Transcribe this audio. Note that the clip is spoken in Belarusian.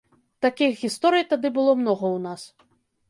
Такіх гісторый тады было многа ў нас.